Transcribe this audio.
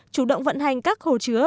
chủ động vận hành các hồ chứa